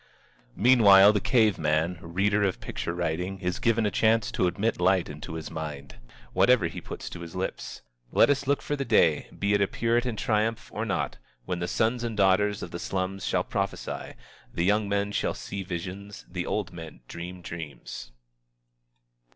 Meanwhile, the cave man, reader of picture writing, is given a chance to admit light into his mind, whatever he puts to his lips. Let us look for the day, be it a puritan triumph or not, when the sons and the daughters of the slums shall prophesy, the young men shall see visions, the old men dream dreams.